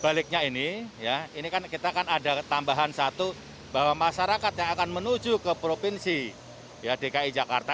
baliknya ini ya ini ini kan kita kan ada tambahan satu bahwa masyarakat yang akan menuju ke provinsi dki jakarta